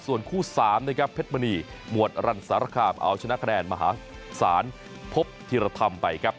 ส่วนคู่๓นะครับเพชรมณีหมวดรันสารคามเอาชนะคะแนนมหาศาลพบธิรธรรมไปครับ